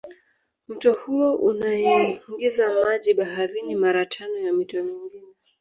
Mto huo unaingiza maji baharini mara tano ya mito mingine